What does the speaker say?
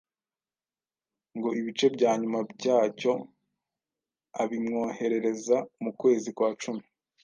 ngo ibice bya nyuma byacyo abimwoherereza mu kwezi kwa cumi